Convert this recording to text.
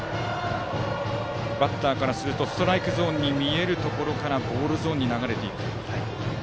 バッターからするとストライクゾーンに見えるところからボールゾーンに流れていく。